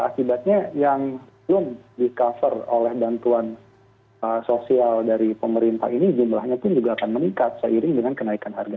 akibatnya yang belum di cover oleh bantuan sosial dari pemerintah ini jumlahnya pun juga akan meningkat seiring dengan kenaikan harga